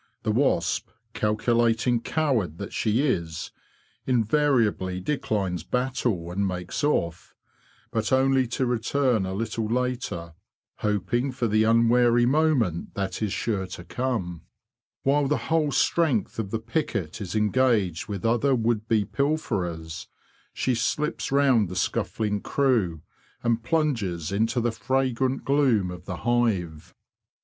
The wasp, calculating coward that she is, invariably declines battle, and makes off; but only to return a little later, hoping for the unwary moment that is sure to come. While the whole strength of the picket is engaged with other would be pilferers, she slips round the scuffling crew, and plunges into the fragrant gloom of the hive.